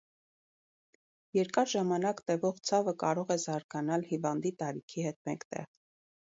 Երկար ժամանակ տևող ցավը կարող է զարգանալ հիվանդի տարիքի հետ մեկտեղ։